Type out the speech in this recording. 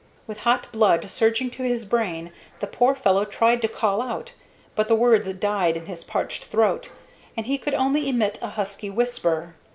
With hot blood surging to his brain, the poor fellow tried to call out, but the words died in his parched throat, and he could only emit a husky whisper.